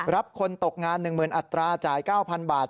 รับคนตกงาน๑๐๐๐อัตราจ่าย๙๐๐บาท